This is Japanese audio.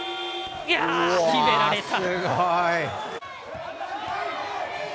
決められた。